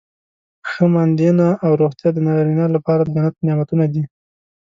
ښه ماندینه او روغتیا د نارینه لپاره د جنت نعمتونه دي.